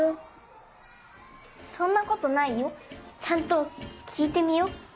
そんなことないよちゃんときいてみよ。